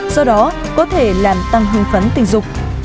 do đó có thể làm tăng hương phấn tình dục